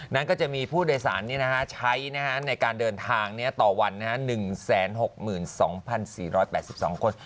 นั้นก็จะมีผู้โดยสารใช้ในการเดินทางต่อวัน๑๖๒๔๘๒คน